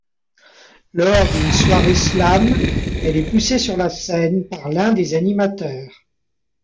Lors d’une soirée slam, elle est poussée sur la scène par l’un des animateurs.